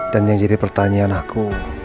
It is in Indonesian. dan yang jadi pertanyaan aku